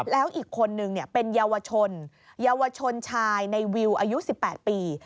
แล้วอีกคนนึงเป็นเยาวชนเยาวชนชายในวิวอายุ๑๘ปี